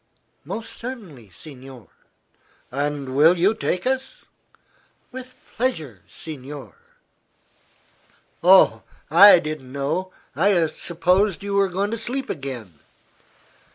"Most certainly, signore." "And you will take us?" "With pleasure, signore." "Oh; I didn't know. I supposed you were going to sleep again."